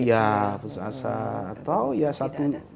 iya putus asa atau ya satu